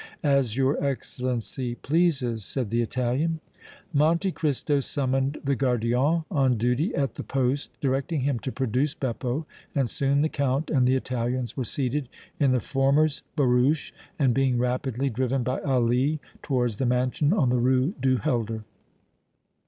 "As your Excellency pleases," said the Italian. Monte Cristo summoned the gardien on duty at the poste, directing him to produce Beppo, and soon the Count and the Italians were seated in the former's barouche and being rapidly driven by Ali towards the mansion on the Rue du Helder.